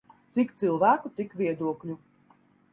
Cik cilvēku tik viedokļu.